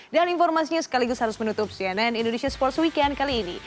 dan informasinya sekaligus harus menutup cnn indonesia sports weekend kali ini